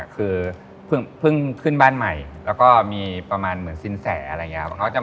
ซึ่งขึ้นบ้านใหม่แล้วก็มีประมาณเหมือนสินแสก็มังจะมา